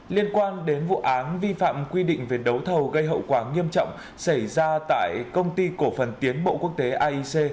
liên quan đến vụ án vi phạm quy định về đấu thầu gây hậu quả nghiêm trọng xảy ra tại công ty cổ phần tiến bộ quốc tế aic